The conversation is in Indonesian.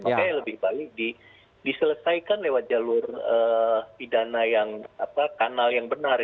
makanya lebih baik diselesaikan lewat jalur pidana yang kanal yang benar